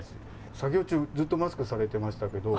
作業中ずっとマスクされてましたけど。